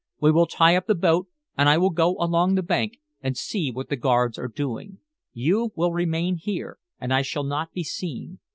"We will tie up the boat, and I will go along the bank and see what the guards are doing. You will remain here, and I shall not be seen.